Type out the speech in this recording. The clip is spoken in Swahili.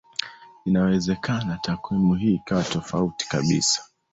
inawezekana takwimu hii ikawa tofauti kabisa